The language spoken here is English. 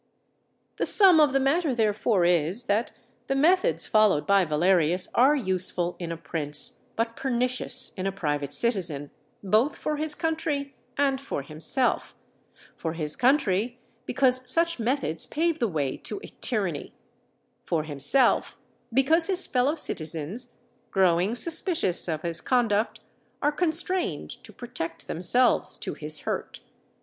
The sum of the matter, therefore, is, that the methods followed by Valerius are useful in a prince, but pernicious in a private citizen, both for his country and for himself, for his country, because such methods pave the way to a tyranny; for himself, because his fellow citizens, growing suspicious of his conduct, are constrained to protect themselves to his hurt.